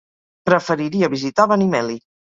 Preferiria visitar Benimeli.